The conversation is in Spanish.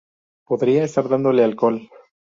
Podría estar dándole alcohol".